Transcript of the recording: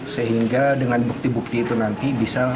sehingga dengan bukti bukti itu nanti bisa